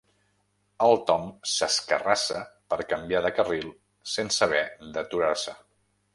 El Tom s'escarrassa per canviar de carril sense haver d'aturar-se.